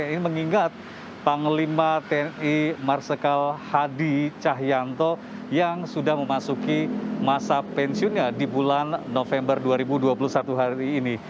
ini mengingat panglima tni marsikal hadi cahyanto yang sudah memasuki masa pensiunnya di bulan november dua ribu dua puluh satu hari ini